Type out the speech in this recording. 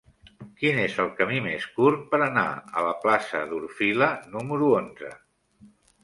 Quin és el camí més curt per anar a la plaça d'Orfila número onze?